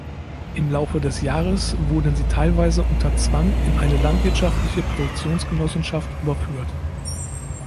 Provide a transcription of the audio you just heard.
Im Laufe des Jahres wurden sie teilweise unter Zwang in eine Landwirtschaftliche Produktionsgenossenschaft überführt.